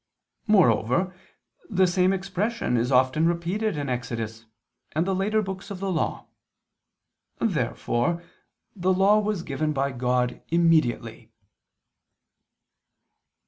Moreover the same expression is often repeated in Exodus, and the later books of the Law. Therefore the Law was given by God immediately.